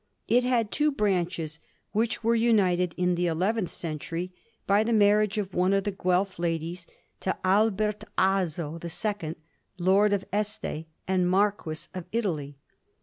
It had two branches, which were united in the eleventh century by the marriage of one of the Guelf ladies to Albert Azzo the Second, Lord of Este and Marquis of Italy.